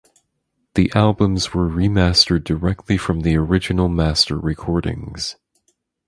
The albums were remastered directly from the original master recordings.